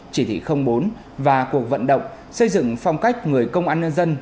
chỉ thị bốn và cuộc vận động xây dựng phong cách người công an nhân dân